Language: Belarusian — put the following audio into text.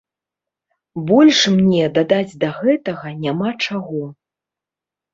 Больш мне дадаць да гэтага няма чаго.